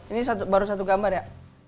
ini baru satu gambar ya